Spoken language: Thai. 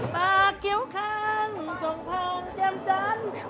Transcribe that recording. ปากเกี้ยวข้างส่งพองแจ่มจันทร์